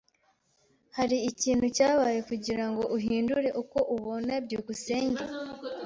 Hari ikintu cyabaye kugirango uhindure uko ubona byukusenge?